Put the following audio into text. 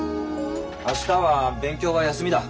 明日は勉強は休みだ。